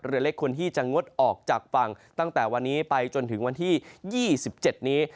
เรือเล็กควรที่จะงดออกจากฝั่งตั้งแต่วันนี้ไปจนถึงวันที่๒๗นี้